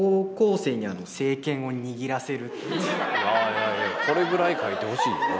いやいやこれぐらい書いてほしいよね